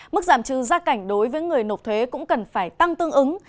mức giảm trừ gia cảnh đối với người nộp thuế cũng cần phải tăng tương ứng